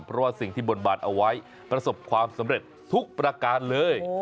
เพราะว่าสิ่งที่บนบานเอาไว้ประสบความสำเร็จทุกประการเลย